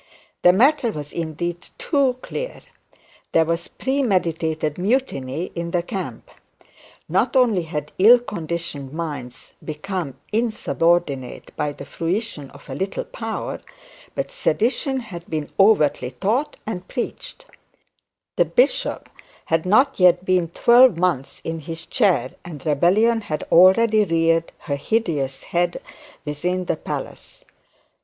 The matter was indeed too clear. There was premeditated mutiny in the camp. Not only had ill conditioned minds become insubordinate by the fruition of a little power. The bishop had not yet been twelve months in this chair, and rebellion had already reared her hideous head within the palace.